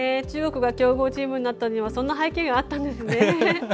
中国が強豪チームになったのにはそんな背景があったんですね。